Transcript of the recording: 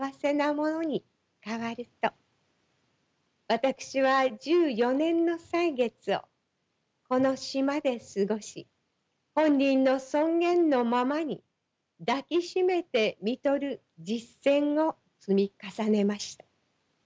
私は１４年の歳月をこの島で過ごし本人の尊厳のままに抱き締めて看取る実践を積み重ねました。